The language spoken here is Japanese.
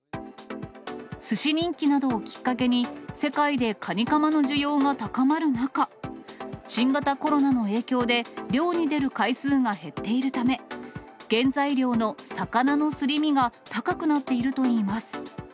すし人気などをきっかけに、世界でカニカマの需要が高まる中、新型コロナの影響で、漁に出る回数が減っているため、原材料の魚のすり身が高くなっているといいます。